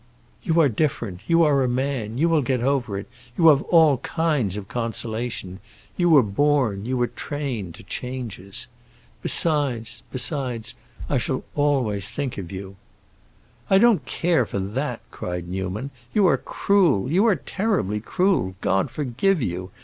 "You are different. You are a man; you will get over it. You have all kinds of consolation. You were born—you were trained, to changes. Besides—besides, I shall always think of you." "I don't care for that!" cried Newman. "You are cruel—you are terribly cruel. God forgive you!